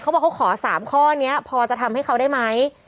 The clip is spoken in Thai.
บอกเขาขอ๓ข้อนี้พอจะทำให้เขาได้ไหม